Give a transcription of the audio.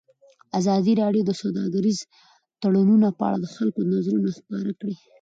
ازادي راډیو د سوداګریز تړونونه په اړه د خلکو نظرونه خپاره کړي.